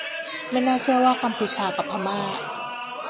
ไม่น่าเชื่อว่า กัมพูชา กับพม่า